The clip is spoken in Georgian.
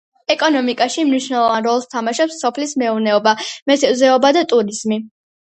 ეკონომიკაში მნიშვნელოვან როლს თამაშობს სოფლის მეურნეობა, მეთევზეობა და ტურიზმი.